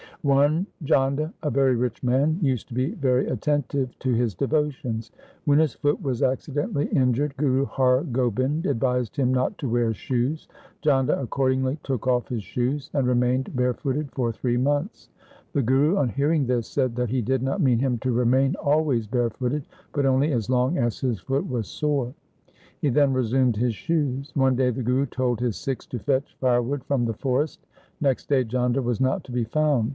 One Jhanda, a very rich man, used to be very attentive to his devotions. When his foot was accidentally injured, Guru Har Gobind advised him not to wear shoes. Jhanda accordingly took off his shoes, and remained barefooted for three months. The Guru on hearing this said that he did not mean him to remain always barefooted, but only as long as his foot was sore. He then resumed his shoes. One day the Guru told his Sikhs to fetch firewood from the forest. Next day Jhanda was not to be found.